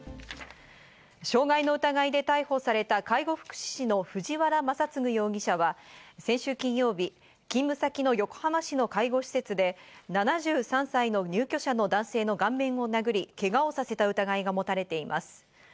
傷害の疑いで逮捕された介護福祉士の藤原雅嗣容疑者は先週金曜日、勤務先の横浜市の介護施設で７３歳の入居者の男性の顔面を殴り、けがをさせた疑いが持たれています。